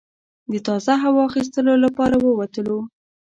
د تازه هوا اخیستلو لپاره ووتلو.